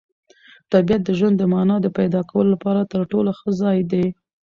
طبیعت د ژوند د مانا د پیدا کولو لپاره تر ټولو ښه ځای دی.